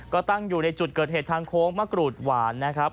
ก็ตั้งอยู่ในจุดเกิดเหตุทางโค้งมะกรูดหวานนะครับ